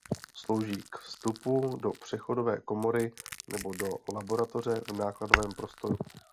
Slouží k vstupu do přechodové komory nebo do laboratoře v nákladovém prostoru.